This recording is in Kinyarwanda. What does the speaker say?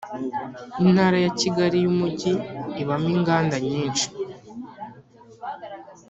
Intara ya Kigali y’Umujyi ibamo inganda nyinshi